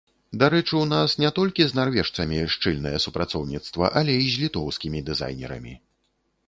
Дарэчы, у нас не толькі з нарвежцамі шчыльнае супрацоўніцтва, але і з літоўскімі дызайнерамі.